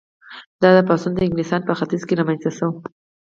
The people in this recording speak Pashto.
دا پاڅون د انګلستان په ختیځ کې رامنځته شو.